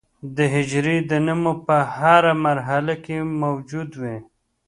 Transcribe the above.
د حجرې د نمو په هره مرحله کې موجود وي.